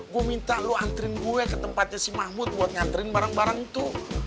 gue minta lo anterin gue ke tempatnya si mahmud buat nganterin barang barang itu